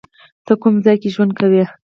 ته کوم ځای کې ژوند کوی؟